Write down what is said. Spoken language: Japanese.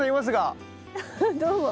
どうも。